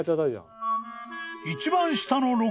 ［一番下の］